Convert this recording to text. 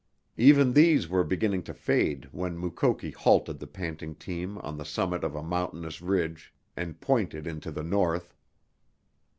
Even these were beginning to fade when Mukoki halted the panting team on the summit of a mountainous ridge, and pointed into the north.